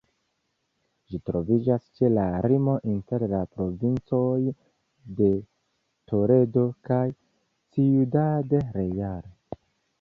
Ĝi troviĝas ĉe la limo inter la provincoj de Toledo kaj Ciudad Real.